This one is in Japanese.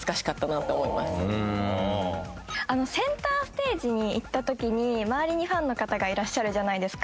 センターステージに行った時に周りにファンの方がいらっしゃるじゃないですか。